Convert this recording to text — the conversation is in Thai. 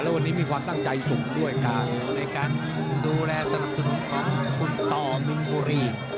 และวันนี้มีความตั้งใจสุขด้วยในการดูแลสนับสนุนคุณต่อมิงโบรี่